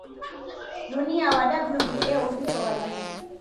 dunia wa wba uzito wa juu